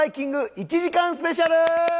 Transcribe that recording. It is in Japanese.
１時間スペシャル！